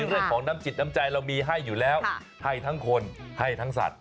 เรื่องของน้ำจิตน้ำใจเรามีให้อยู่แล้วให้ทั้งคนให้ทั้งสัตว